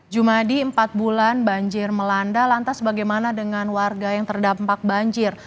jumadi empat bulan banjir melanda lantas bagaimana dengan warga yang terdampak banjir